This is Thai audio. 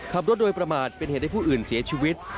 ขับรถโดยประมาทเป็นเหตุให้ผู้อื่นเสียชีวิต